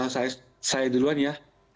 saya duluan ya